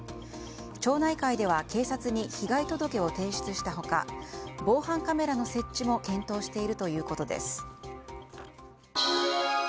町内会では警察に被害届を提出した他防犯カメラの設置も検討しているということです。